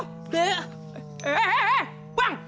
eh eh eh eh eh bang